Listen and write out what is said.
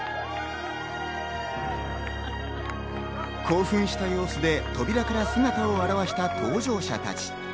興奮した様子で扉から姿を現した搭乗者たち。